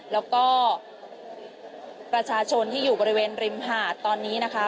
แล้วก็ประชาชนที่อยู่บริเวณริมหาดตอนนี้นะคะ